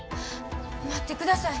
待ってください。